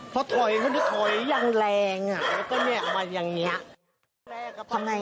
เพราะถอยยังแรงแล้วก็เอามาอย่างนี้